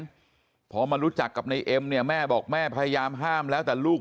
พอมารู้จักกับในเอ็มเนี่ยแม่บอกแม่พยายามห้ามแล้วแต่ลูก